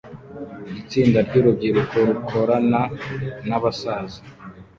Itsinda ryurubyiruko rukorana nabasaza